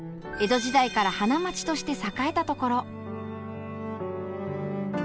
江戸時代から花街として栄えたところ。